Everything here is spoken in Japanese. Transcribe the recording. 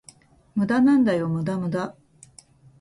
無駄なんだよ、無駄無駄